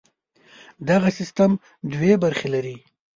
دغه سیستم دوې برخې لري.